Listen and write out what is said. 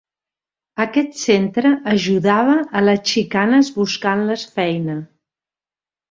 Aquest centre ajudava a les xicanes buscant-les feina.